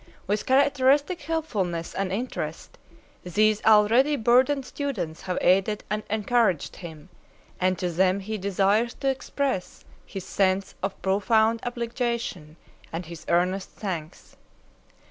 With characteristic helpfulness and interest, these already burdened students have aided and encouraged him, and to them he desires to express his sense of profound obligation and his earnest thanks.